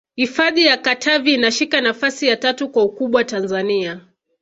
hifadhi ya katavi inashika nafasi ya tatu kwa ukubwa tanzania